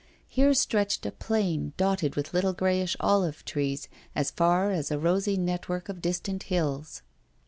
Here stretched a plain dotted with little greyish olive trees as far as a rosy network of distant hills.